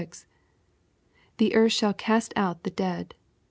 *^ The earth shall cast out the dead."